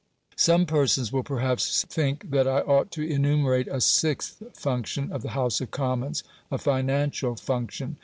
Some persons will perhaps think that I ought to enumerate a sixth function of the House of Commons a financial function.